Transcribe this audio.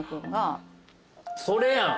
それやん！